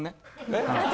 えっ？